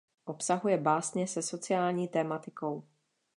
Obsahuje básně se sociální tematikou.